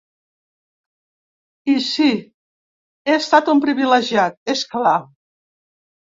I sí, he estat un privilegiat, és clar.